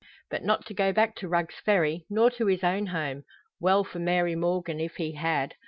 But not to go back to Rugg's Ferry, nor to his own home. Well for Mary Morgan if he had.